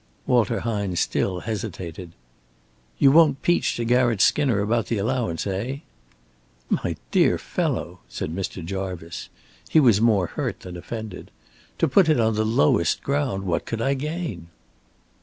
Walter Hine still hesitated. "You won't peach to Garratt Skinner about the allowance, eh?" "My dear fellow!" said Mr. Jarvice. He was more hurt than offended. "To put it on the lowest ground, what could I gain?"